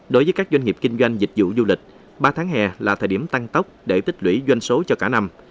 đối với các doanh nghiệp kinh doanh dịch vụ du lịch ba tháng hè là thời điểm tăng tốc để tích lũy doanh số cho cả năm